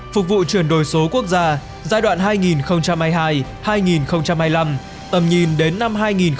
phục vụ chuyển đổi số quốc gia giai đoạn hai nghìn hai mươi hai hai nghìn hai mươi năm tầm nhìn đến năm hai nghìn ba mươi